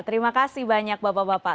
terima kasih banyak bapak bapak